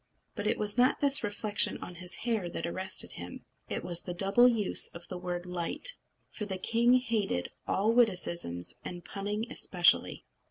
But it was not this reflection on his hair that arrested him; it was the double use of the word light. For the king hated all witticisms, and punning especially.